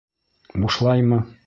— Бушлаймы?